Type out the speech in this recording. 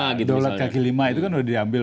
ya daulat kaki lima itu kan udah diambil